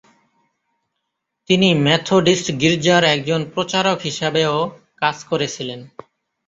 তিনি মেথোডিস্ট গীর্জার একজন প্রচারক হিসাবেও কাজ করেছিলেন।